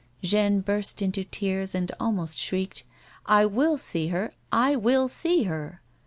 Jeanne burst into tears and almost shrieked ;" I will see her ! I will see her